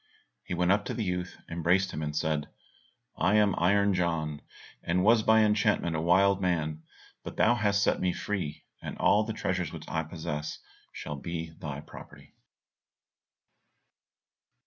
He went up to the youth, embraced him and said, "I am Iron John, and was by enchantment a wild man, but thou hast set me free; all the treasures which I possess, shall be thy property."